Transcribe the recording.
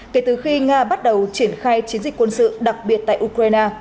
kể từ khi nga bắt đầu triển khai chiến dịch quân sự đặc biệt tại ukraine